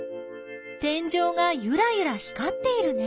天井がゆらゆら光っているね。